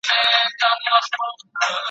ځلېدونکي د بلوړ ټوټې لوېدلي `